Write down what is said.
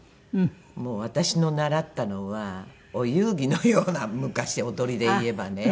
もう私の習ったのはお遊戯のような踊りで言えばね。